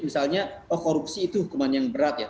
misalnya oh korupsi itu hukuman yang berat ya